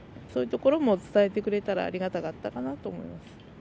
そういうところも伝えてくれたらありがたかったかなあと思います。